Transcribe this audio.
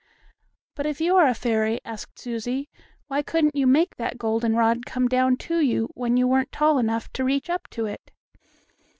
"But, if you are a fairy," asked Susie, "why couldn't you make that goldenrod come down to you, when you weren't tall enough to reach up to it?"